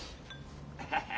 ハハハ。